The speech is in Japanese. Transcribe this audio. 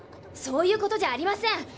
そういうことじゃありません。